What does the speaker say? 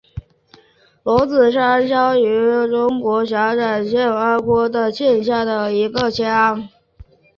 罗子山乡是中国陕西省延安市延长县下辖的一个乡。